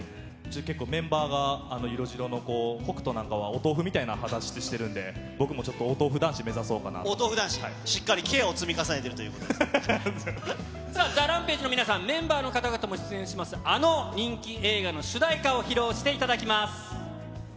結構、メンバーが色白の、ほくとなんかはお豆腐みたいな肌質してるんで、僕もちょっとお豆お豆腐男子、しっかりケアをさあ、ＴＨＥＲＡＭＰＡＧＥの皆さん、メンバーの方々も出演します、あの人気映画の主題歌を披露していただきます。